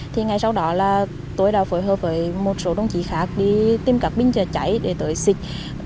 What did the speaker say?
thì ngày sau đó là tôi đã phối hợp với một số đồng chí khác đi tìm các bình chạy để tôi xịt